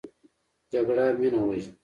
جګړه مینه وژني